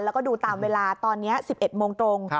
แล้วก็ดูตามเวลาตอนนี้๑๑โมงตรง